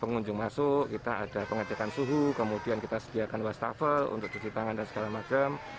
pengunjung masuk kita ada pengecekan suhu kemudian kita sediakan wastafel untuk cuci tangan dan segala macam